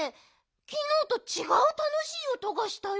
きのうとちがうたのしいおとがしたよ。